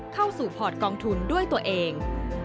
เข้าสู่พอร์ตกองทุนด้วยตัวเอง